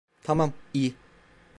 Tamam, iyi.